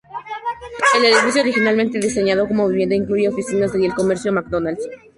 El edificio, originalmente diseñado como vivienda, incluye oficinas y el comercio McDonalds.